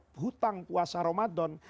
hutang puasa ramadan